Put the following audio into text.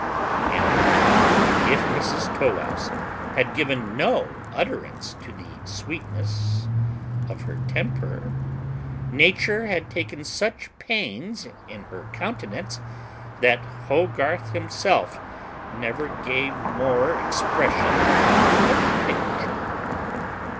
And indeed, if Mrs Tow wouse had given no utterance to the sweetness of her temper, nature had taken such pains in her countenance, that Hogarth himself never gave more expression to a picture.